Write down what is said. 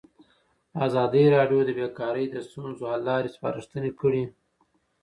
ازادي راډیو د بیکاري د ستونزو حل لارې سپارښتنې کړي.